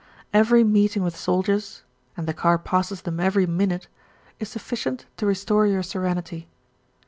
Every meeting with soldiers and the car passes them every minute is sufficient to restore your serenity.